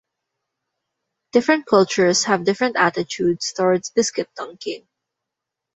Different cultures have different attitudes toward biscuit dunking.